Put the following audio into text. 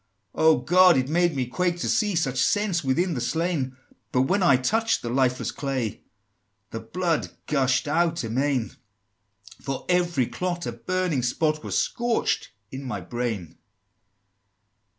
XVIII. "Oh, God! it made me quake to see Such sense within the slain! But when I touched the lifeless clay, The blood gush'd out amain! For every clot, a burning spot Was scorching in my brain!"